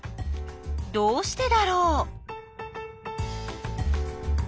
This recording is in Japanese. どうしてだろう？